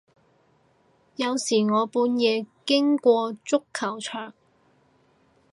有時我半夜經過足球場